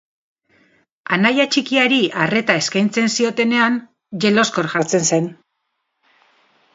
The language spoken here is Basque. Anaia txikiari arreta eskaintzen ziotenean jeloskor jartzen zen.